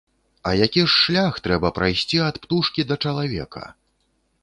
А які ж шлях трэба прайсці ад птушкі да чалавека!